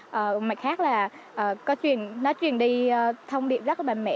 một phần khác là nó truyền đi thông điệp rất là bàn mẽ